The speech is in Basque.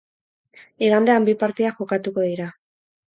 Igandean bi partida jokatuko dira.